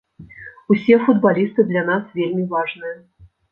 Усе футбалісты для нас вельмі важныя.